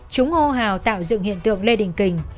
chúng ô hào tạo dựng hiện tượng lê đình kỳnh